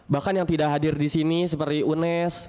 bahkan yang tidak hadir di sini seperti unes